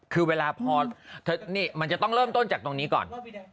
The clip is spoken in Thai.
คือเวลาพอนี่มันจะต้องเริ่มต้นจากตรงนี้ก่อน